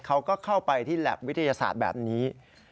เขาก็เข้าไปที่แล็บวิทยาศาสตร์แบบนี้